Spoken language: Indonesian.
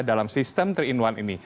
dalam sistem tiga in satu ini